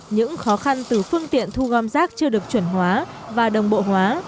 những khó khăn từ phương tiện thu gom rác chưa được chuẩn hóa và đồng bộ hóa